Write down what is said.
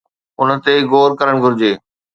ان تي غور ڪرڻ گهرجي.